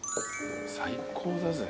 最高だぜ。